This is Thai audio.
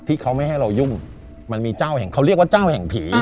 ที่เขาไม่ให้เรายุ่งมันมีเจ้าแห่งเขาเรียกว่าเจ้าแห่งผี